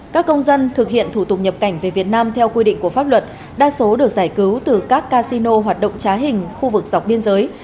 các công dân thực hiện thủ tục nhập cảnh về việt nam theo quy định của pháp luật đa số được giải cứu từ các casino hoạt động trá hình khu vực dọc biên giới